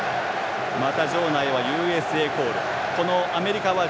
場内はＵＳＡコール。